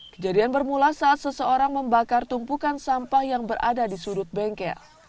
kejadian bermula saat seseorang membakar tumpukan sampah yang berada di sudut bengkel